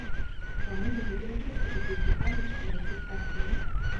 Па-мойму, гэта не проста капрыз дэкана ці кагосьці з кафедры.